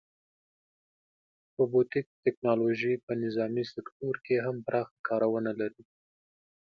روبوټیک ټیکنالوژي په نظامي سکتور کې هم پراخه کارونه لري.